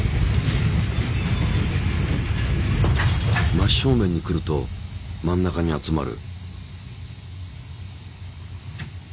真正面に来ると真ん中に集まる。